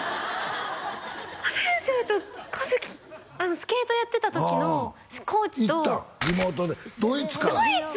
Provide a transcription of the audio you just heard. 先生と一希スケートやってた時のコーチと行ったん？